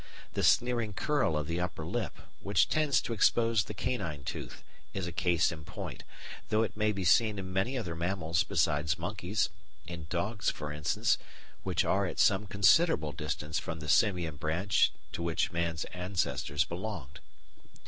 The sneering curl of the upper lip, which tends to expose the canine tooth, is a case in point, though it may be seen in many other mammals besides monkeys in dogs, for instance, which are at some considerable distance from the simian branch to which man's ancestors belonged.